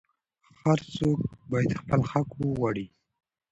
هر څوک باید خپل حق وغواړي.